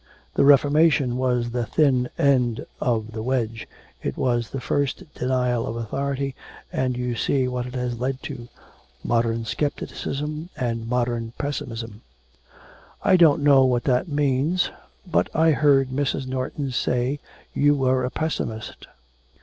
The Reformation was the thin end of the wedge, it was the first denial of authority, and you see what it has led to modern scepticism and modern pessimism.' 'I don't know what that means, but I heard Mrs. Norton say you were a pessimist.'